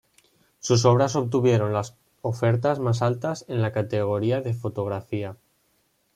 Sus obras obtuvieron las ofertas más altas en la categoría de fotografía.